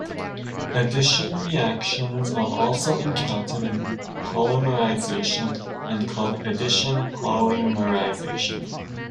Addition reactions are also encountered in polymerizations and called addition polymerization.